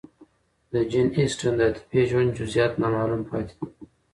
د جین اسټن د عاطفي ژوند جزئیات نامعلوم پاتې دي.